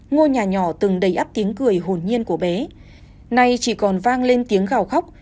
ngôi nhà nhỏ từng đầy ấp tiếng cười hồn nhiên của bé nay chỉ còn vang lên tiếng gào khóc